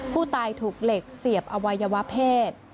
ผู้ตายถูกเหล็กเสียบอวัยวะเพศ